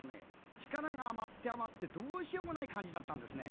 力が余って余ってどうしようもない感じだったんですね。